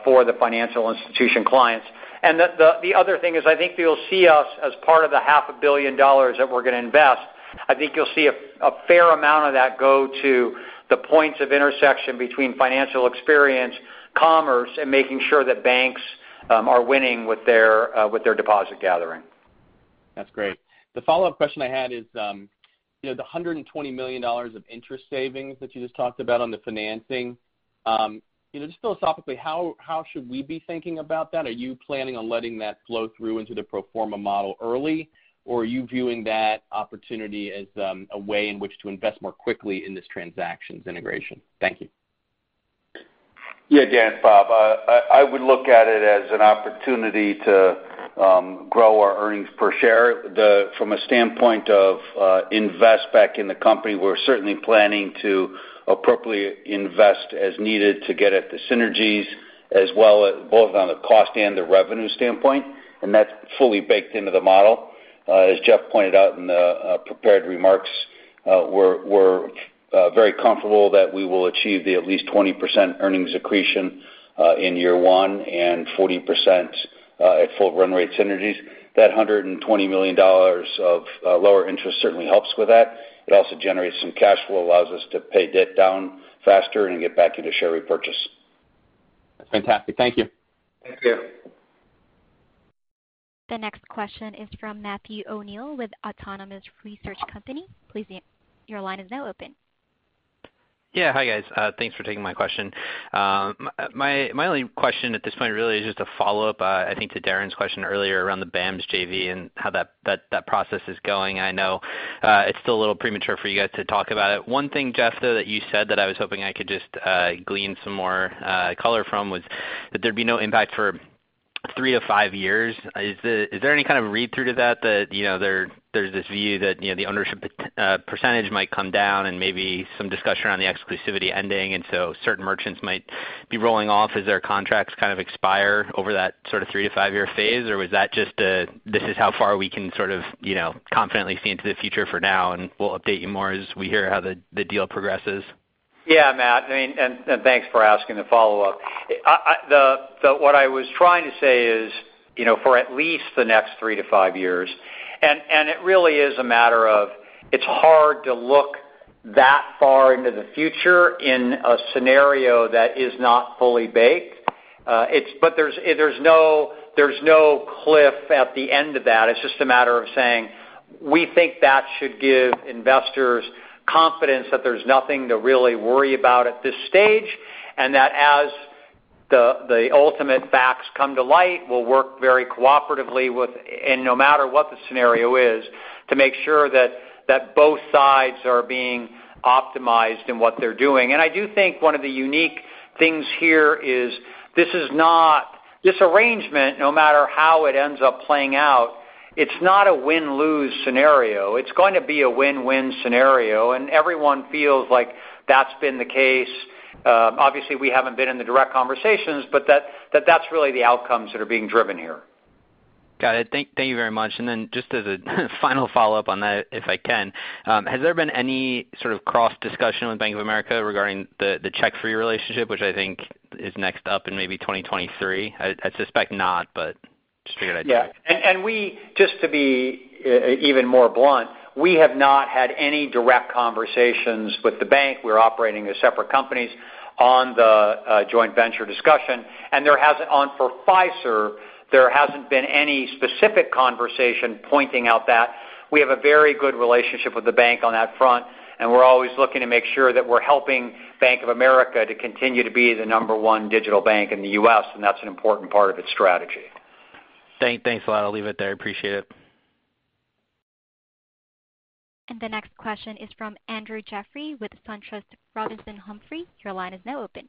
for the financial institution clients? The other thing is, I think you'll see us as part of the half a billion dollars that we're going to invest. I think you'll see a fair amount of that go to the points of intersection between financial experience, commerce, and making sure that banks are winning with their deposit gathering. That's great. The follow-up question I had is, the $120 million of interest savings that you just talked about on the financing, just philosophically, how should we be thinking about that? Are you planning on letting that flow through into the pro forma model early, or are you viewing that opportunity as a way in which to invest more quickly in this transactions integration? Thank you. Yeah. Again, Bob, I would look at it as an opportunity to grow our earnings per share. From a standpoint of invest back in the company, we're certainly planning to appropriately invest as needed to get at the synergies, as well as both on the cost and the revenue standpoint. That's fully baked into the model. As Jeff pointed out in the prepared remarks, we're very comfortable that we will achieve at least 20% earnings accretion in year one, and 40% at full run rate synergies. That $120 million of lower interest certainly helps with that. It also generates some cash flow, allows us to pay debt down faster, and get back into share repurchase. That's fantastic. Thank you. Thank you. The next question is from Matthew O'Neill with Autonomous Research Company. Please, your line is now open. Yeah. Hi, guys. Thanks for taking my question. My only question at this point really is just a follow-up, I think, to Darrin's question earlier around the BAMS JV and how that process is going. I know it's still a little premature for you guys to talk about it. One thing, Jeff, though, that you said that I was hoping I could just glean some more color from was that there'd be no impact for three to five years. Is there any kind of read-through to that? There's this view that the ownership percentage might come down and maybe some discussion around the exclusivity ending, certain merchants might be rolling off as their contracts kind of expire over that sort of three to five-year phase. Was that just a this is how far we can sort of confidently see into the future for now, and we'll update you more as we hear how the deal progresses? Yeah, Matt. Thanks for asking the follow-up. What I was trying to say is, for at least the next three to five years, and it really is a matter of it's hard to look that far into the future in a scenario that is not fully baked. There's no cliff at the end of that. It's just a matter of saying we think that should give investors confidence that there's nothing to really worry about at this stage, and that as the ultimate facts come to light, we'll work very cooperatively with, and no matter what the scenario is, to make sure that both sides are being optimized in what they're doing. I do think one of the unique things here is this arrangement, no matter how it ends up playing out, it's not a win-lose scenario. It's going to be a win-win scenario, and everyone feels like that's been the case. Obviously, we haven't been in the direct conversations, but that's really the outcomes that are being driven here. Got it. Thank you very much. Just as a final follow-up on that, if I can, has there been any sort of cross-discussion with Bank of America regarding the CheckFree relationship, which I think is next up in maybe 2023? I suspect not. Yeah. We just to be even more blunt, we have not had any direct conversations with the bank. We're operating as separate companies on the joint venture discussion. For Fiserv, there hasn't been any specific conversation pointing out that we have a very good relationship with the bank on that front, and we're always looking to make sure that we're helping Bank of America to continue to be the number 1 digital bank in the U.S., and that's an important part of its strategy. Thanks a lot. I'll leave it there. Appreciate it. The next question is from Andrew Jeffrey with SunTrust Robinson Humphrey. Your line is now open.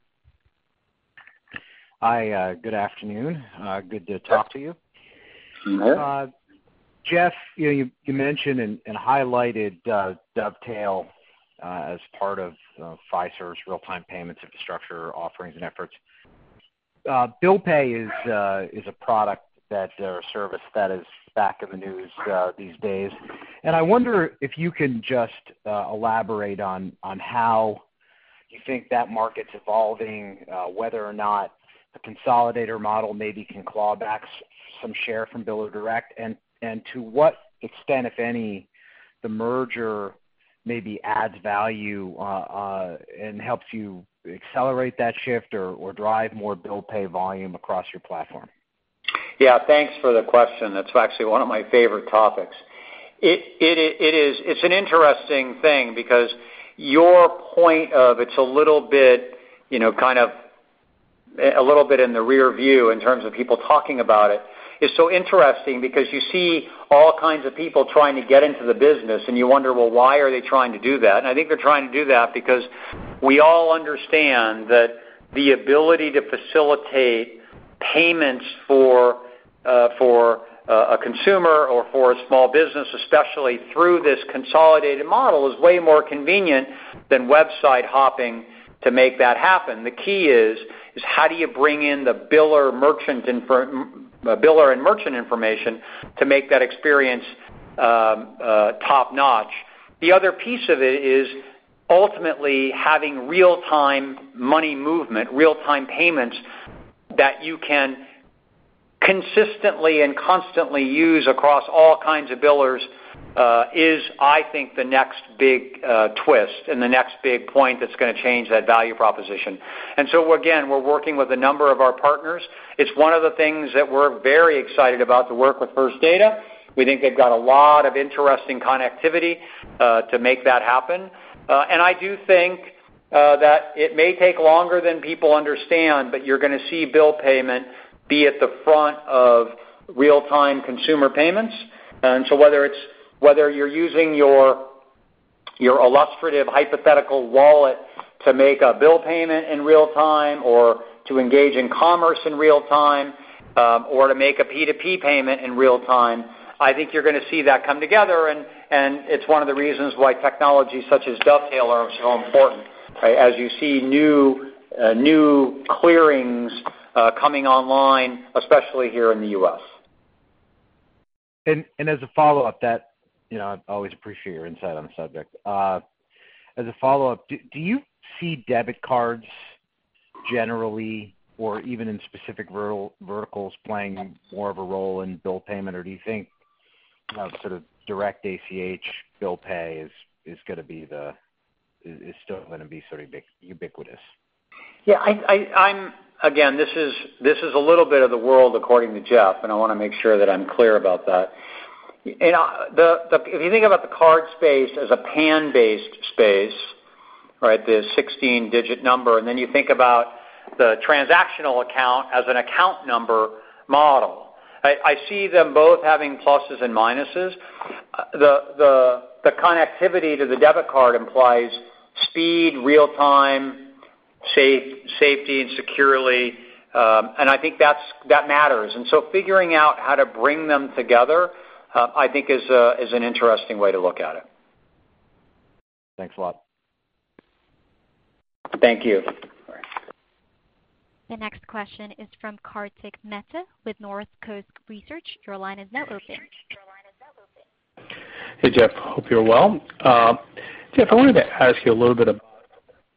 Hi. Good afternoon. Good to talk to you. Yes. Jeff, you mentioned and highlighted Dovetail as part of Fiserv's real-time payments infrastructure offerings and efforts. Bill Pay is a product or a service that is back in the news these days. I wonder if you can just elaborate on how you think that market's evolving, whether or not the consolidator model maybe can claw back some share from bill or direct, and to what extent, if any, the merger maybe adds value and helps you accelerate that shift or drive more Bill Pay volume across your platform? Yeah. Thanks for the question. That's actually one of my favorite topics. It's an interesting thing because your point of it's a little bit in the rear view in terms of people talking about it is so interesting because you see all kinds of people trying to get into the business and you wonder, "Well, why are they trying to do that?" I think they're trying to do that because we all understand that the ability to facilitate payments for a consumer or for a small business, especially through this consolidated model, is way more convenient than website hopping to make that happen. The key is, how do you bring in the biller and merchant information to make that experience top-notch? The other piece of it is ultimately having real-time money movement, real-time payments that you can consistently and constantly use across all kinds of billers. Is, I think, the next big twist and the next big point that's going to change that value proposition. Again, we're working with a number of our partners. It's one of the things that we're very excited about to work with First Data. We think they've got a lot of interesting connectivity to make that happen. I do think that it may take longer than people understand, but you're going to see bill payment be at the front of real-time consumer payments. Whether you're using your illustrative hypothetical wallet to make a bill payment in real time or to engage in commerce in real time or to make a P2P payment in real time, I think you're going to see that come together, and it's one of the reasons why technology such as Dovetail are so important as you see new clearings coming online, especially here in the U.S. I always appreciate your insight on the subject. As a follow-up, do you see debit cards generally or even in specific verticals playing more of a role in bill payment, or do you think sort of direct ACH bill pay is still going to be sort of ubiquitous? Again, this is a little bit of the world according to Jeff, and I want to make sure that I'm clear about that. If you think about the card space as a PAN-based space, the 16-digit number, and then you think about the transactional account as an account number model. I see them both having pluses and minuses. The connectivity to the debit card implies speed, real time, safety and securely. I think that matters. Figuring out how to bring them together, I think is an interesting way to look at it. Thanks a lot. Thank you. All right. The next question is from Kartik Mehta with Northcoast Research. Your line is now open. Hey, Jeff. Hope you're well. Jeff, I wanted to ask you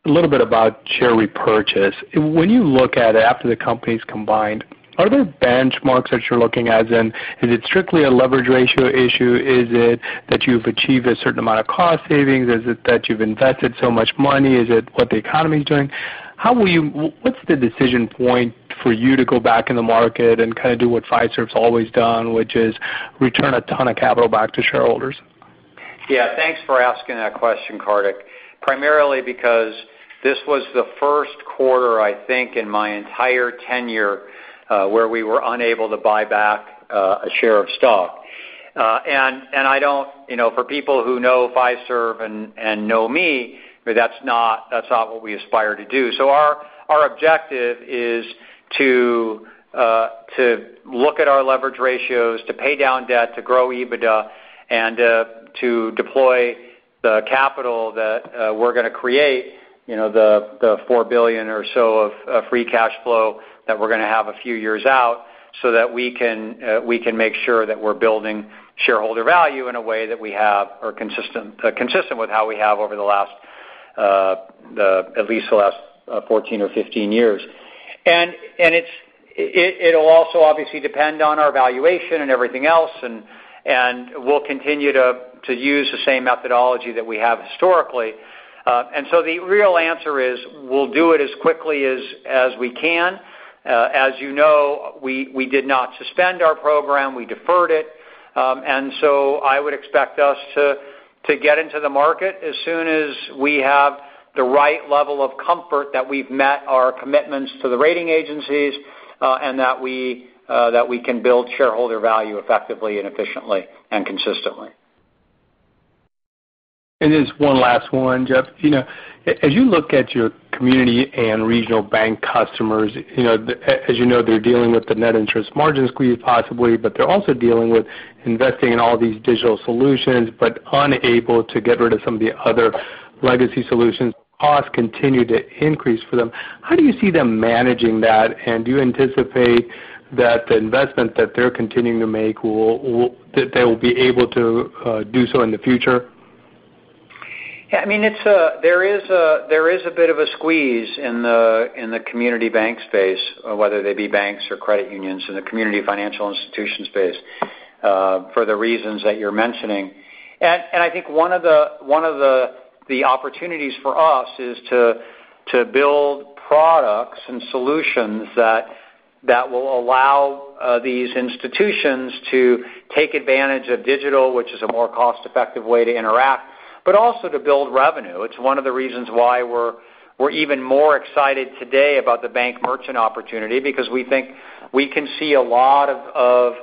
a little bit about share repurchase. When you look at it after the company's combined, are there benchmarks that you're looking at, and is it strictly a leverage ratio issue? Is it that you've achieved a certain amount of cost savings? Is it that you've invested so much money? Is it what the economy's doing? What's the decision point for you to go back in the market and kind of do what Fiserv's always done, which is return a ton of capital back to shareholders? Yeah, thanks for asking that question, Kartik. Primarily because this was the first quarter, I think, in my entire tenure where we were unable to buy back a share of stock. For people who know Fiserv and know me, that's not what we aspire to do. Our objective is to look at our leverage ratios, to pay down debt, to grow EBITDA, and to deploy the capital that we're going to create, the $4 billion or so of free cash flow that we're going to have a few years out, so that we can make sure that we're building shareholder value in a way that consistent with how we have over at least the last 14 or 15 years. It'll also obviously depend on our valuation and everything else, and we'll continue to use the same methodology that we have historically. The real answer is we'll do it as quickly as we can. As you know, we did not suspend our program. We deferred it. I would expect us to get into the market as soon as we have the right level of comfort that we've met our commitments to the rating agencies, and that we can build shareholder value effectively and efficiently and consistently. Just one last one, Jeff. As you look at your community and regional bank customers, as you know, they're dealing with the net interest margin squeeze possibly, but they're also dealing with investing in all these digital solutions, but unable to get rid of some of the other legacy solutions. Costs continue to increase for them. How do you see them managing that, and do you anticipate that the investment that they're continuing to make that they will be able to do so in the future? Yeah, there is a bit of a squeeze in the community bank space, whether they be banks or credit unions in the community financial institution space for the reasons that you're mentioning. I think one of the opportunities for us is to build products and solutions that will allow these institutions to take advantage of digital, which is a more cost-effective way to interact, but also to build revenue. It's one of the reasons why we're even more excited today about the bank merchant opportunity because we think we can see a lot of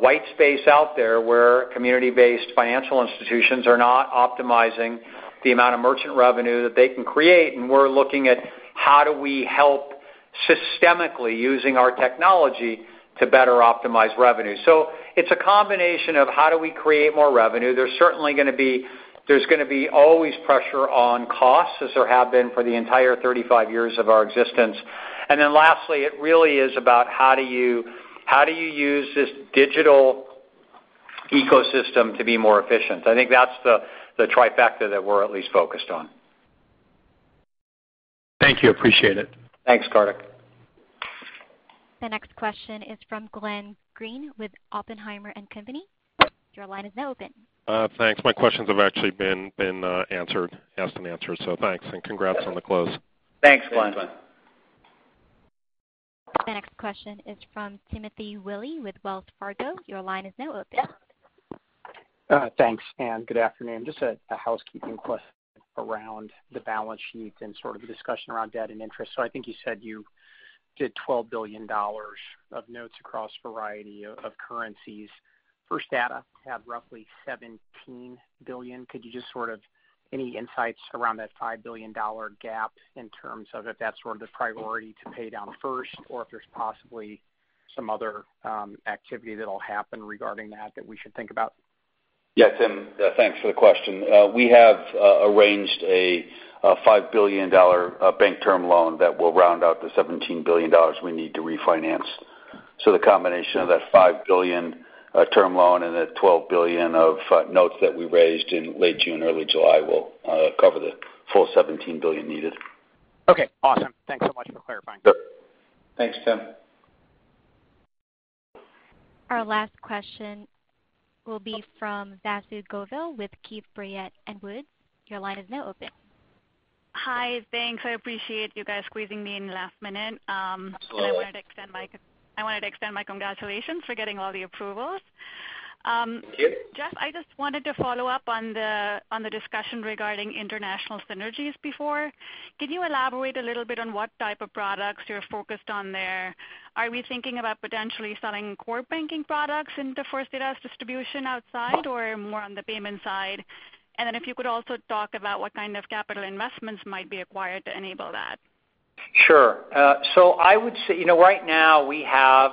white space out there where community-based financial institutions are not optimizing the amount of merchant revenue that they can create. We're looking at how do we help systemically using our technology to better optimize revenue. It's a combination of how do we create more revenue. There's going to be always pressure on costs as there have been for the entire 35 years of our existence. Lastly, it really is about how do you use this digital ecosystem to be more efficient. I think that's the trifecta that we're at least focused on. Thank you. Appreciate it. Thanks, Kartik. The next question is from Glenn Greene with Oppenheimer & Co. Your line is now open. Thanks. My questions have actually been asked and answered. Thanks, and congrats on the close. Thanks, Glenn. The next question is from Timothy Willi with Wells Fargo. Your line is now open. Thanks, and good afternoon. Just a housekeeping question around the balance sheet and sort of the discussion around debt and interest. I think you said you did $12 billion of notes across a variety of currencies. First Data had roughly $17 billion. Any insights around that $5 billion gap in terms of if that's sort of the priority to pay down first, or if there's possibly some other activity that'll happen regarding that we should think about? Yeah, Tim. Thanks for the question. We have arranged a $5 billion bank term loan that will round out the $17 billion we need to refinance. The combination of that $5 billion term loan and that $12 billion of notes that we raised in late June, early July will cover the full $17 billion needed. Okay, awesome. Thanks so much for clarifying. Sure. Thanks, Tim. Our last question will be from Vasu Govil with Keefe, Bruyette & Woods. Your line is now open. Hi. Thanks. I appreciate you guys squeezing me in last minute. Absolutely. I wanted to extend my congratulations for getting all the approvals. Thank you. Jeff, I just wanted to follow up on the discussion regarding international synergies before. Can you elaborate a little bit on what type of products you're focused on there? Are we thinking about potentially selling core banking products into First Data's distribution outside or more on the payment side? If you could also talk about what kind of capital investments might be acquired to enable that. Sure. I would say, right now we have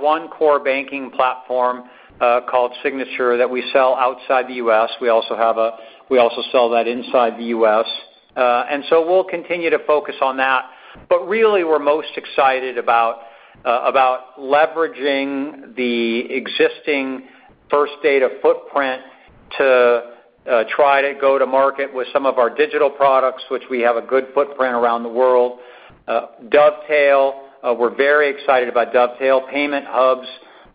one core banking platform called Signature that we sell outside the U.S. We also sell that inside the U.S. We'll continue to focus on that, but really we're most excited about leveraging the existing First Data footprint to try to go to market with some of our digital products, which we have a good footprint around the world. Dovetail, we're very excited about Dovetail. Payment hubs,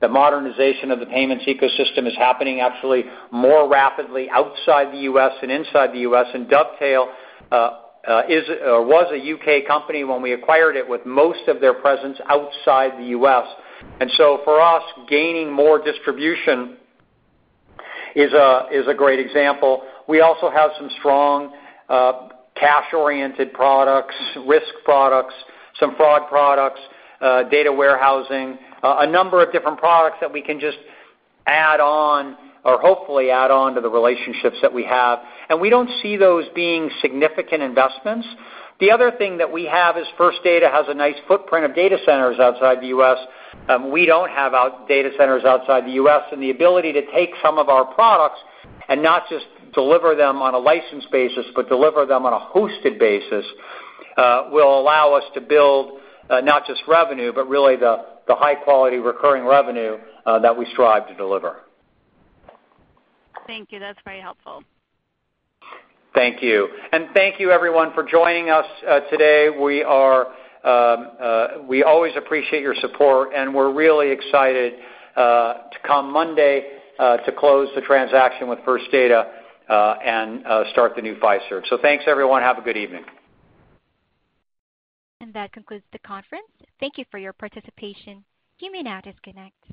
the modernization of the payments ecosystem is happening actually more rapidly outside the U.S. than inside the U.S., and Dovetail was a U.K. company when we acquired it with most of their presence outside the U.S. For us, gaining more distribution is a great example. We also have some strong cash-oriented products, risk products, some fraud products, data warehousing, a number of different products that we can just add on or hopefully add on to the relationships that we have. We don't see those being significant investments. The other thing that we have is First Data has a nice footprint of data centers outside the U.S. We don't have data centers outside the U.S., and the ability to take some of our products and not just deliver them on a license basis, but deliver them on a hosted basis will allow us to build not just revenue, but really the high-quality recurring revenue that we strive to deliver. Thank you. That's very helpful. Thank you. Thank you everyone for joining us today. We always appreciate your support, and we're really excited to come Monday to close the transaction with First Data and start the new Fiserv. Thanks everyone. Have a good evening. That concludes the conference. Thank you for your participation. You may now disconnect.